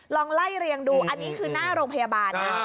ลองไล่เรียงดูอันนี้คือหน้าโรงพยาบาลนะ